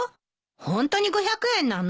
ホントに５００円なの？